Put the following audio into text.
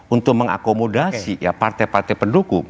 untuk mengakomodasi partai partai pendukung